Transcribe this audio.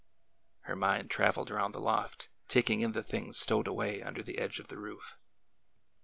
Her mind traveled around the loft, taking in the things stowed away under the edge of the roof.